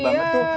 iya bagus banget